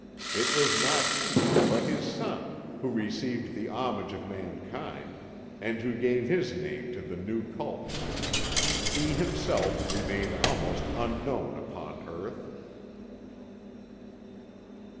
It was not he, but his son, who received the homage of mankind, and who gave his name to the new cult. He himself remained almost unknown upon earth."